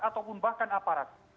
ataupun bahkan aparat